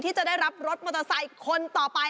ที่จะได้รับรถมอเตอร์ไซค์คนต่อไป